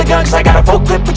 utankah fe rock